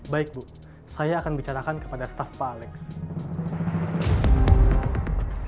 baik bu saya akan bicarakan kepada staf pak alex